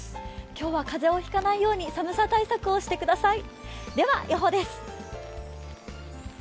今日は風邪をひかないように寒さ対策をしてください。